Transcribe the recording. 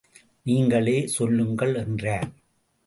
நீங்களே சொல்லுங்கள் என்றார்.